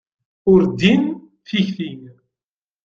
Ur din tikti.